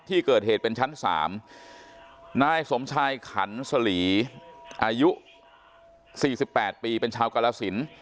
ที่เกิดเหตุเป็นชั้น๓นายสมชายขันสลีอายุ๔๘ปีเป็นชาวกรสิน